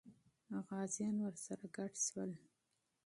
غازیان ورسره ګډ سول.